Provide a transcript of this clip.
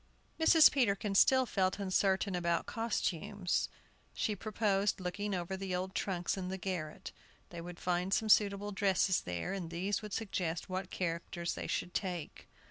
Mrs. Peterkin still felt uncertain about costumes. She proposed looking over the old trunks in the garret. They would find some suitable dresses there, and these would suggest what characters they should take.